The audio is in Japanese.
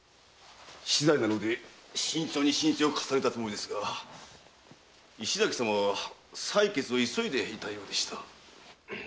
死罪なので慎重に慎重を重ねたつもりですが石崎様は裁決を急いでいたようでした。